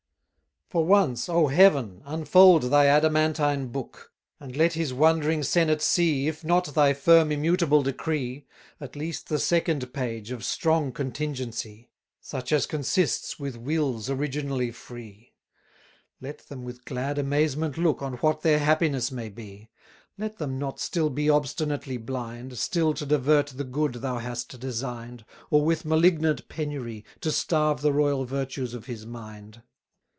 For once, O Heaven! unfold thy adamantine book; And let his wondering senate see, If not thy firm immutable decree, At least the second page of strong contingency; Such as consists with wills originally free: Let them with glad amazement look On what their happiness may be: Let them not still be obstinately blind, Still to divert the good thou hast design'd, Or with malignant penury, To starve the royal virtues of his mind.